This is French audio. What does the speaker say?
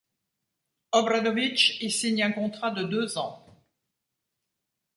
Obradović y signe un contrat de deux ans.